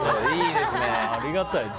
ありがたいね。